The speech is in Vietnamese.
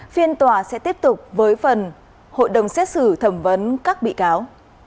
phiên tòa sẽ tiếp tục với phần hội đồng xét xử thẩm vấn các bị cáo